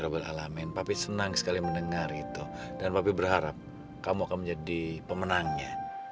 rabbil alamin papi senang sekali mendengar itu dan papi berharap kamu akan menjadi pemenangnya